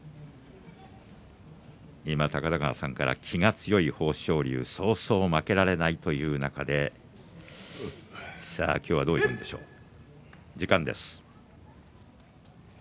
今、高田川さんから気が強い豊昇龍そうそう負けられないという中で今日はどういう相撲でしょうか。